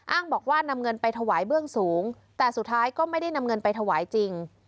บอกว่านำเงินไปถวายเบื้องสูงแต่สุดท้ายก็ไม่ได้นำเงินไปถวายจริง